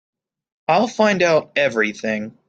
I'll find out everything.